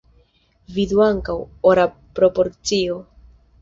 Vidu ankaŭ: Ora proporcio.